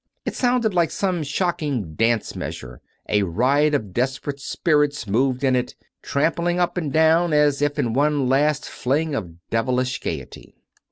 It sounded like some shocking dance measure; a riot of des perate spirits moved in it, trampling up and down, as if in one last fling of devilish gaiety.